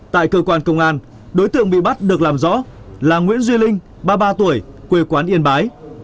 tại cơ quan công an đối tượng bị bắt được làm rõ là nguyễn duy linh ba mươi ba tuổi quê quán yên bái